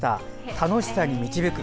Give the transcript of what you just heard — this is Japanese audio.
楽しさに導く。